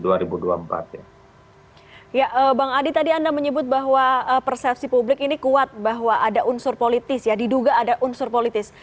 ya bang adi tadi anda menyebut bahwa persepsi publik ini kuat bahwa ada unsur politis ya diduga ada unsur politis